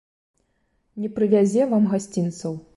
Не прывязе вам гасцінцаў.